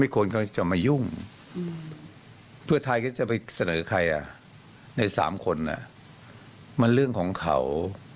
คือท่านแซลินพิสูจน์บอกว่า